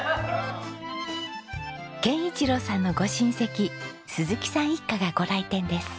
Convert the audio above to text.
憲一郎さんのご親戚鈴木さん一家がご来店です。